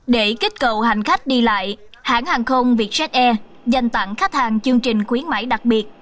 để kích cầu hành khách đi lại hãng hàng không vietjet air dành tặng khách hàng chương trình khuyến mãi đặc biệt